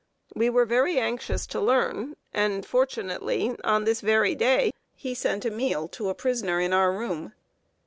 We were very anxious to learn, and fortunately, on this very day, he sent a meal to a prisoner in our room.